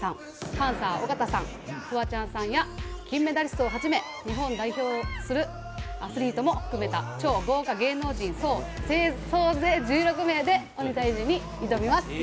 パンサー尾形さん、フワちゃんさんや金メダリストをはじめ日本を代表するアスリートも含めた総勢１６名で鬼退治に挑みます。